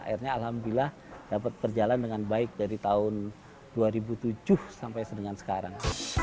akhirnya alhamdulillah dapat berjalan dengan baik dari tahun dua ribu tujuh sampai dengan sekarang